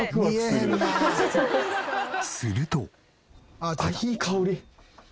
すると。